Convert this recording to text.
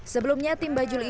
sebelumnya tim berpengalaman